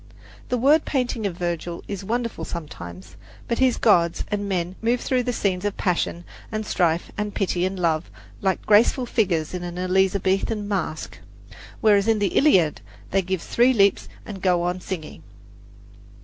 The word painting of Virgil is wonderful sometimes; but his gods and men move through the scenes of passion and strife and pity and love like the graceful figures in an Elizabethan mask, whereas in the Iliad they give three leaps and go on singing.